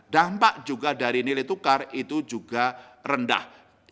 dampak juga dari nilai tukar itu juga rendah